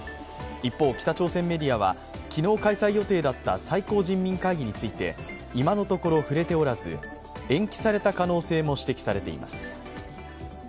一方、北朝鮮メディアは昨日開催予定だった最高人民会議について今のところ、触れておらず延期された可能性も指摘されています。